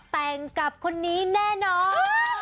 แต่งกับคนนี้แน่นอน